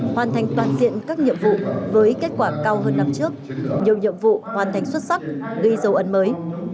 hoàn thành toàn diện các nhiệm vụ với kết quả cao hơn năm trước nhiều nhiệm vụ hoàn thành xuất sắc ghi dấu ấn mới